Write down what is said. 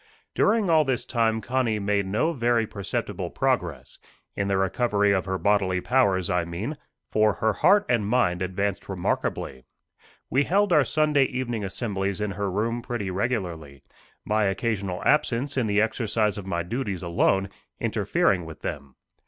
During all this time Connie made no very perceptible progress in the recovery of her bodily powers, I mean, for her heart and mind advanced remarkably. We held our Sunday evening assemblies in her room pretty regularly, my occasional absence in the exercise of my duties alone interfering with them.